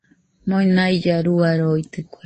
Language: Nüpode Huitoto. Monailla rua roitɨkue